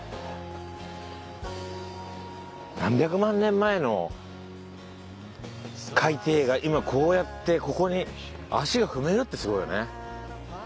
何百万年前の海底が今こうやってここに足で踏めるってすごいよね。